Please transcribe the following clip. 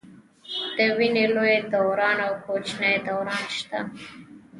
د وینې لوی دوران او کوچني دوران شته.